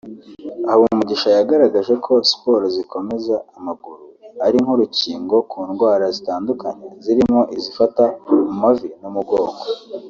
Habumugisha yagaragaje ko siporo zikomeza amaguru ari nk’urukingo ku ndwara zitandukanye zirimo izifata mu mavi n’umugongo